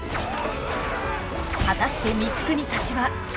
果たして光圀たちは。